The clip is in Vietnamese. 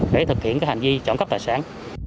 để thực hiện hành vi trộm cắp tài sản